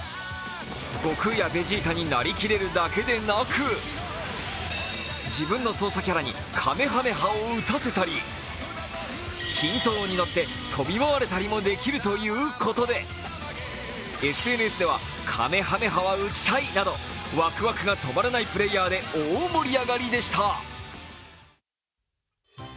悟空やベジータになりきれるだけでなく自分の操作キャラにかめはめ波を打たせたり、筋斗雲に乗って飛び回れたりもするということでＳＮＳでは、かめはめ波は撃ちたいなどワクワクが止まらないプレーヤーで大盛り上がりでした。